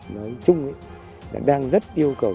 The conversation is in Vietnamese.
nói chung là đang rất yêu cầu